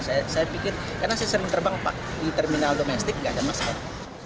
saya pikir karena saya sering terbang pak di terminal domestik nggak ada masalah